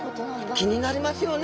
気になりますよね。